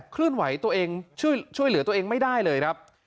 เคลื่อนไหวตัวเองช่วยเหลือตัวเองไม่ได้เลยครับ